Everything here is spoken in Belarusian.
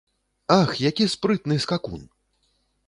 Ах, які спрытны скакун!